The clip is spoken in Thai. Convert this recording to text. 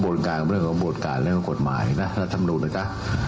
เรื่องการเรียนความโบราชการเรียนความกฎหมายนะละสำรวจนะครับ